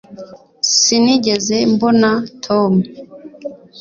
sinigeze mbona tom